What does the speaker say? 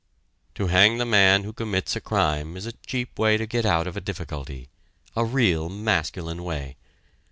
To hang the man who commits a crime is a cheap way to get out of a difficulty; a real masculine way.